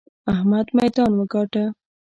احمد ميدان وګاټه!